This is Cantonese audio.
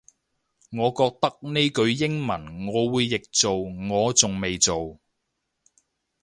我覺得呢句英文我會譯做我仲未做